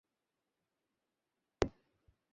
ব্যস তোমাকে দেখতে চেয়েছিলাম।